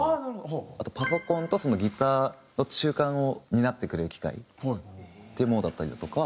あとパソコンとギターの中間を担ってくれる機械っていうものだったりだとか。